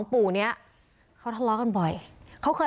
ประตู๓ครับ